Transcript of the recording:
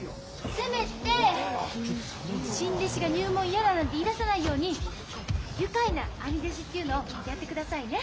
せめて新弟子が入門嫌だなんて言いださないように愉快な兄弟子っていうのをやってくださいね。